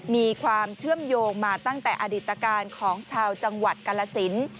มีความเชื่อมโยงมาตั้งแต่อดิตการของชาวจังหวัดกาลสิน